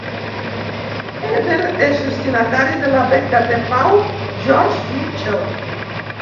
Eder és destinatari de la beca de pau George Mitchell.